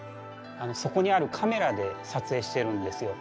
そこにあるカメラで撮影してるんですよ。